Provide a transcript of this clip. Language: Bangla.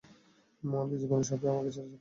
মলি, জীবনে সবাই আমাকে ছেড়ে চলে গেছে।